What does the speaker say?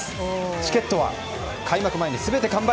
チケットは開幕前に全て完売。